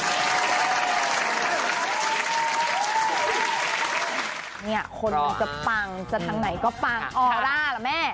เนี่ยคนมันจะปังจะทางไหนก็ปังออร่าล่ะแม่